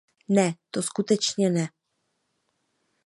Ne, to skutečně ne.